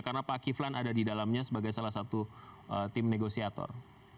karena pak kiflan ada di dalamnya sebagai salah satu tim negosiator